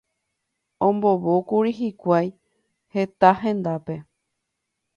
Ombovókuri hikuái heta hendápe.